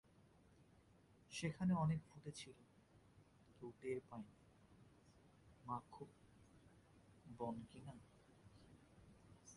সেখানে অনেক ফুটেছিল, কেউ টের পায়নি, মা, খুব বন কি না?